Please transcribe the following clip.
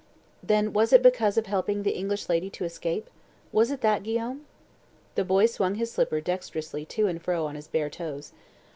"Then was it because of helping the English lady to escape? Was it that, Guillaume?" The boy swung his slipper dexterously to and fro on his bare toes.